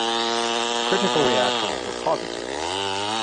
Critical reactions were positive.